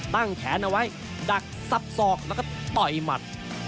แขนเอาไว้ดักซับศอกแล้วก็ต่อยหมัด